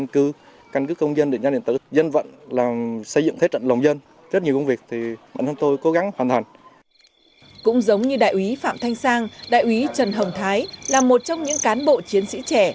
cũng giống như đại úy phạm thanh sang đại úy trần hồng thái là một trong những cán bộ chiến sĩ trẻ